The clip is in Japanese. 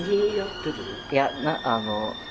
いやあの。